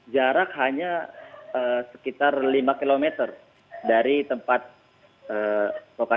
jarak hanya sekitar lima km dari tempat lokasi